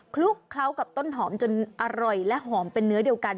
คลุกเคล้ากับต้นหอมจนอร่อยและหอมเป็นเนื้อเดียวกัน